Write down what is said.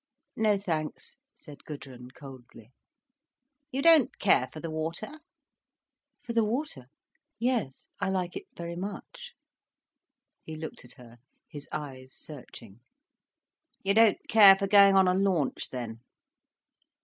"No thanks," said Gudrun coldly. "You don't care for the water?" "For the water? Yes, I like it very much." He looked at her, his eyes searching. "You don't care for going on a launch, then?"